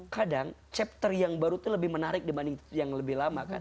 kadang chapter yang baru itu lebih menarik dibanding yang lebih lama kan